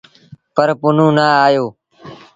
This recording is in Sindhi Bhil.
پر پنهون نا آيو۔